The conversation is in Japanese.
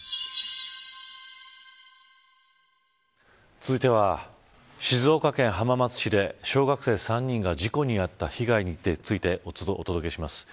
続いては静岡県浜松市で小学生３人が事故に遭った被害についてお届けします。